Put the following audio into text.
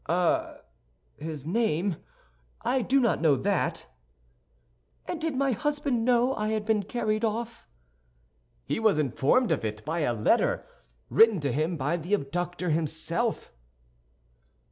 "Ah, his name? I do not know that." "And did my husband know I had been carried off?" "He was informed of it by a letter, written to him by the abductor himself."